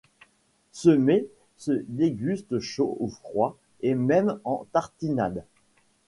Ce mets se déguste chaud ou froid et même en tartinade.